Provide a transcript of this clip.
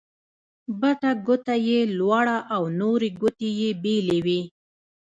بټه ګوته يي لوړه او نورې ګوتې يې بېلې وې.